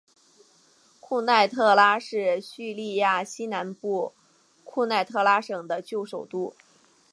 库奈特拉是叙利亚西南部库奈特拉省的旧首都。